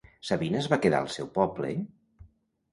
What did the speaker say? Sabina es va quedar al seu poble?